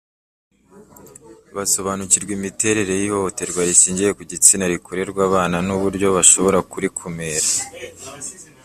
basobanukirwa imiterere y ihohoterwa rishingiye ku gitsina rikorerwa abana n uburyo bashobora kurikumira